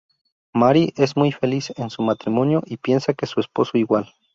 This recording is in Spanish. Mary es muy feliz en su matrimonio, y piensa que su esposo igual.